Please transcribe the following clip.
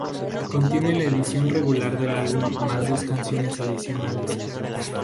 Contiene la edición regular del álbum más dos canciones adicionales.